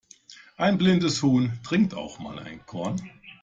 Ein blindes Huhn trinkt auch mal einen Korn.